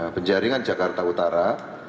penjaringan jakarta utara